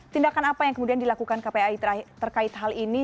tindakan apa yang kemudian dilakukan kpai terkait hal ini